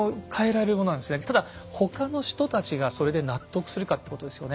ただ他の人たちがそれで納得するかってことですよね。